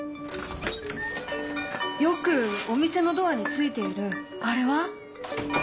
よくお店のドアについているあれは？